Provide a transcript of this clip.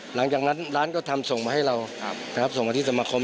หลังจากนั้นร้านก็ทำส่งมาให้เรานะครับส่งมาที่สมาคม